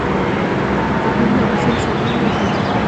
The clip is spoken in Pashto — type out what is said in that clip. زردالو د افغانستان د صادراتو برخه ده.